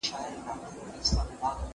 هغه د ملي ګټو پر سر معامله نه کوله.